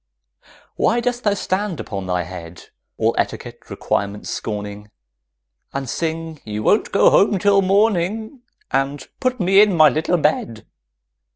Why dost thou stand upon thy head, All etiquette requirements scorning, And sing "You won't go home till morning" And "Put me in my little bed"?